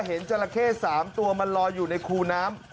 เห็นจราเข้สามตัวมันรออยู่ในครูน้ำ